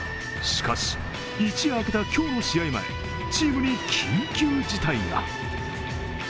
しかし、一夜明けた今日の試合前、チームに緊急事態が。